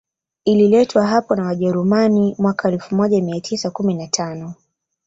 Ililetwa hapo na Wajerumani mwaka elfu moja mia tisa kumi na tano